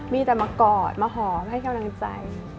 มีแต่มากอดมาหอมให้กำลังใจ